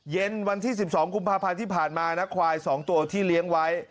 เย็นวันที่๑๒กุมภาพันธ์ที่ผ่านมานะควาย๒ตัวที่เลี้ยงไว้